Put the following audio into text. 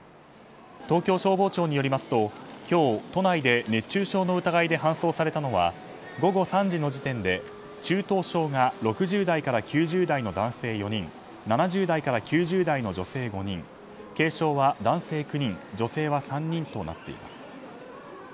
東京消防庁によりますと今日、都内で熱中症の疑いで搬送されたのは午後３時の時点で中等症が６０代から９０代の男性４人７０代から９０代の女性５人軽症は男性９人女性は３人となっています。